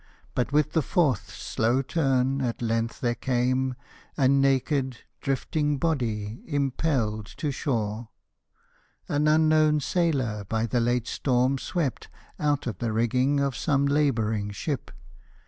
But with the fourth slow turn at length there came A naked, drifting body impelled to shore, An unknown sailor by the late storm swept Out of the rigging of some laboring ship.